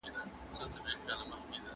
زه له سهاره لوبي کوم؟!